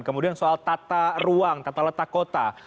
kemudian soal tata ruang tata letak kota